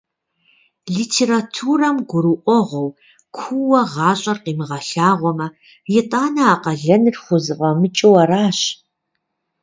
Литературэм гурыӀуэгъуэу куууэ гъащӀэр къимыгъэлъагъуэмэ, итӀанэ а къалэныр хузэфӀэмыкӀыу аращ.